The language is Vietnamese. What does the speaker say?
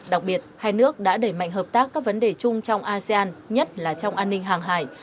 đặc biệt hai nước đã đẩy mạnh hợp tác các vấn đề chung trong asean nhất là trong an ninh hàng hải